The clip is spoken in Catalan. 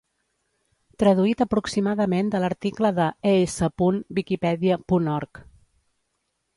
Traduït aproximadament de l'article de es.wikipedia punt org.